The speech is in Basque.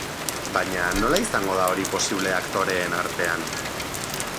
Baina, nola izango da hori posible aktoreen artean?